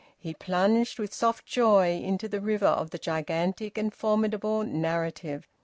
He plunged with soft joy into the river of the gigantic and formidable narrative.